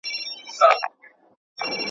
د میوند شهیده مځکه د پردي پلټن مورچل دی.